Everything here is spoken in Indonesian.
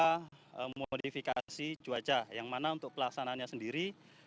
kita merangka modifikasi cuaca yang mana untuk pelaksananya sendiri